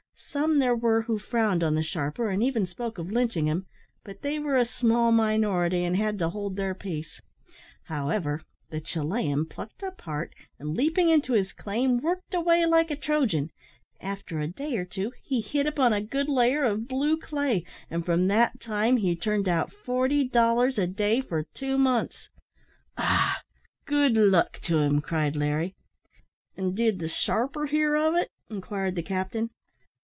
Some there were who frowned on the sharper, and even spoke of lynching him, but they were a small minority, and had to hold their peace. However, the Chilian plucked up heart, and, leaping into his claim, worked away like a Trojan. After a day or two he hit upon a good layer of blue clay, and from that time he turned out forty dollars a day for two months." "Ah! good luck to him," cried Larry. "And did the sharper hear of it?" inquired the captain.